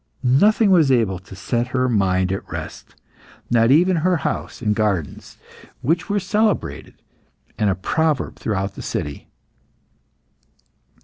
Nothing was able to set her mind at rest, not even her house and gardens, which were celebrated, and a proverb throughout the city.